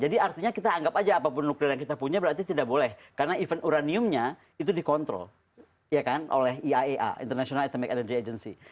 jadi artinya kita anggap aja apapun nuklir yang kita punya berarti tidak boleh karena event uraniumnya itu dikontrol ya kan oleh iaea international atomic energy agency